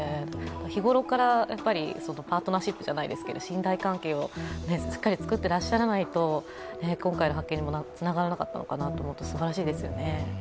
日頃からパートナーシップじゃないですけど信頼関係をしっかり作ってらっしゃらないと、今回の発見にもつながらなかったのかなと思うとすばらしいですよね。